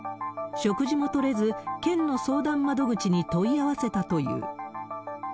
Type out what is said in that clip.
食事も取れず、県の相談窓口に問い合わせたという。